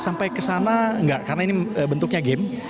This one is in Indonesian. sampai kesana enggak karena ini bentuknya game